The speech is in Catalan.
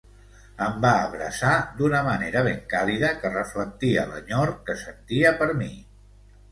Em va abraçar d'una manera ben càlida que reflectia l'enyor que sentia per mi.